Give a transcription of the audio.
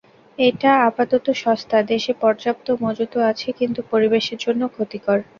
এটা আপাতত সস্তা, দেশে পর্যাপ্ত মজুতও আছে, কিন্তু পরিবেশের জন্য ক্ষতিকর।